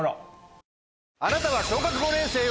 あなたは。